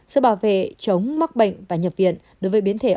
sự bảo vệ chống mắc bệnh và nhập viện